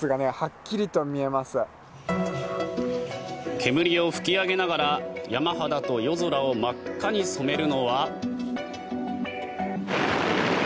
煙を噴き上げながら山肌と夜空を真っ赤に染めるのは。